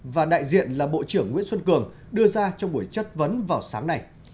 và đại diện là bộ trưởng nguyễn xuân cường đưa ra trong buổi chất vấn vào sáng nay